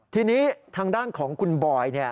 ทีนี้ทางด้านของคุณบอย